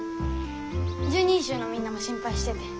拾人衆のみんなも心配してて。